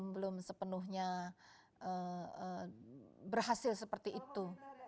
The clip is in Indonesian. belum sepenuhnya berhasil seperti itu